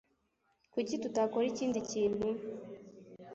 Kuki tutakora ikindi kintu?